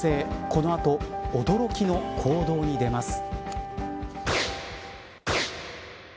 この後、驚きの行動に出ます。